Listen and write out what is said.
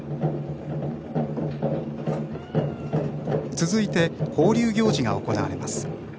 続いて、放流行事が行われます。